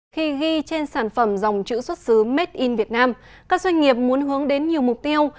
khi ghi trên sản phẩm dòng chữ xuất xứ made in việt nam các doanh nghiệp muốn hướng đến nhiều mục tiêu